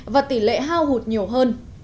và tỷ lệ hao hụt nhiều hơn